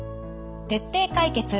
「徹底解決！